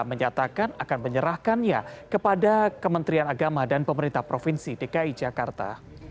menyatakan akan menyerahkannya kepada kementerian agama dan pemerintah provinsi dki jakarta